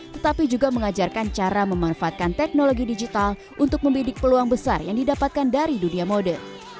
tetapi juga mengajarkan cara memanfaatkan teknologi digital untuk membidik peluang besar yang didapatkan dari dunia mode